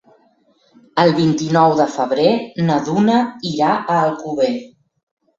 El vint-i-nou de febrer na Duna irà a Alcover.